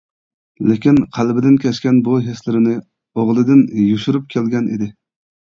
لېكىن قەلبىدىن كەچكەن بۇ ھېسلىرىنى ئوغلىدىن يوشۇرۇپ كەلگەن ئىدى.